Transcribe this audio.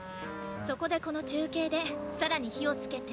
そこでこの中継で更に火をつけて。